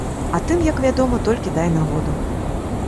А тым, як вядома, толькі дай нагоду.